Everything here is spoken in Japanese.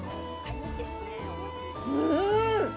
うん！